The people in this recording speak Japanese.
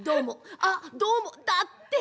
あっどうもだって。